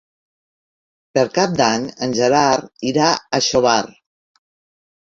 Per Cap d'Any en Gerard irà a Xóvar.